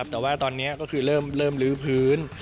แต่ว่าตอนนี้ก็คือเริ่มลื้อพื้น